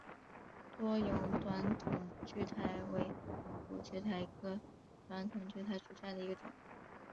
多脉短筒苣苔为苦苣苔科短筒苣苔属下的一个种。